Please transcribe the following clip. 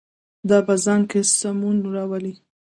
دا په ځان کې سمون راولي.